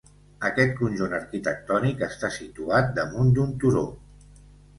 Aquest conjunt arquitectònic està situat damunt d'un turó.